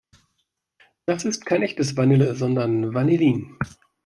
Das ist kein echtes Vanille, sondern Vanillin.